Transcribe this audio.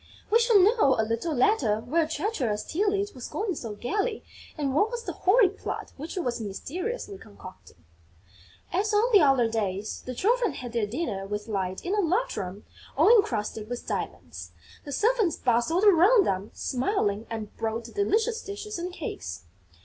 We shall know, a little later, where treacherous Tylette was going so gaily and what was the horrid plot which she was mysteriously concocting. As on the other days, the Children had their dinner with Light in a large room all encrusted with diamonds. The servants bustled around them smiling and brought delicious dishes and cakes.